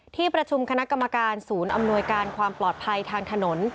ที่ประชุมคณะกรรมการศูนย์อำนวยการความปลอดภัยทางถนน